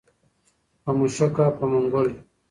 په مشوکه په منګول